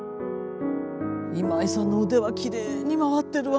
今井さんの腕はきれいにまわってるわね。